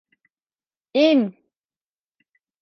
İn!